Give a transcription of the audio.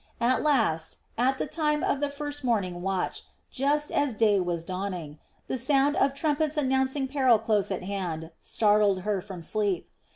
At last, at the time of the first morning watch, just as day was dawning, the sound of trumpets announcing peril close at hand, startled her from sleep.